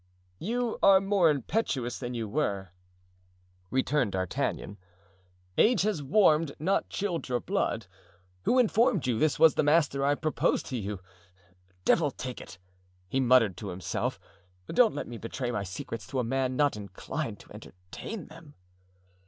"You are more impetuous than you were," returned D'Artagnan. "Age has warmed, not chilled your blood. Who informed you this was the master I propose to you? Devil take it," he muttered to himself, "don't let me betray my secrets to a man not inclined to entertain them."